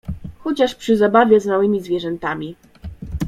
Chociaż przy zabawie z małymi zwie rzętami.